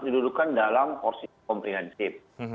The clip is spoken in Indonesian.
didudukan dalam porsi komprehensif